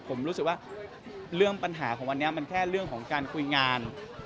ผมรู้สึกว่าเรื่องปัญหาของวันนี้มันแค่เรื่องของการคุยงาน